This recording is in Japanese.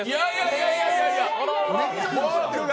いやいやいやいや！